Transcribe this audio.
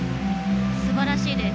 すばらしいです。